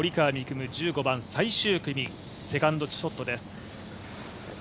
夢１５番、最終組セカンドショットです。